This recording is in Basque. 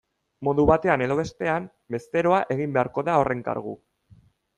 Modu batean edo bestean, bezeroa egin beharko da horren kargu.